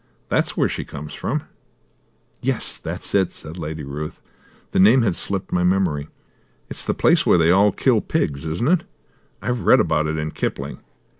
"That's where she comes from." "Yes, that's it," said Lady Ruth; "the name had slipped my memory. It's the place where they all kill pigs, isn't it? I've read about it in Kipling.